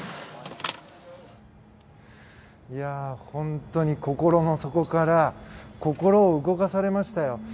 本当に心の底から心を動かされましたよ。